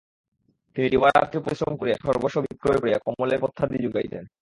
তিনি দিবারাত্রি পরিশ্রম করিয়া সর্বস্ব বিক্রয় করিয়া কমলের পথ্যাদি যোগাইতেন।